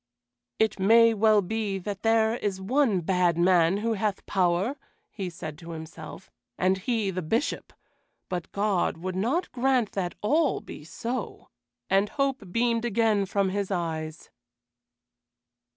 "It may well be that there is one bad man who hath power," he said to himself, "and he the Bishop; but God would not grant that all be so," and hope beamed again from his eyes.